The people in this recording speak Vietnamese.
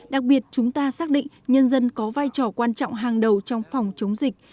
đặc biệt chúng ta xác định nhân dân có vai trò quan trọng hàng đầu trong phòng chống dịch